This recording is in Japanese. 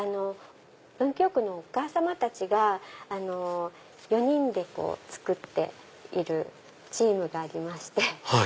文京区のお母様たち４人で作っているチームがありまして。